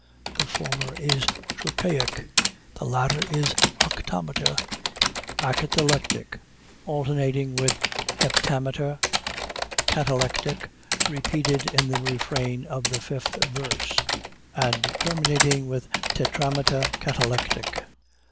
The former is trochaic the latter is octameter acatalectic, alternating with heptameter catalectic repeated in the refrain of the fifth verse, and terminating with tetrameter catalectic.